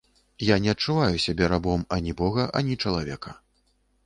Я не адчуваю сябе рабом ані бога, ані чалавека.